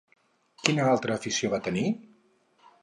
Quina altra afició va tenir?